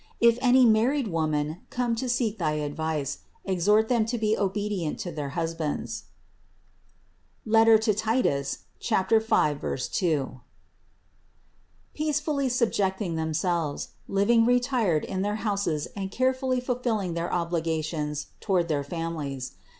If any married women come to seek thy advice, exhort them to be obedient to their husbands (Tit. 5, 2), peace fully subjecting themselves, living retired in their houses and carefully fulfilling their obligations toward their families.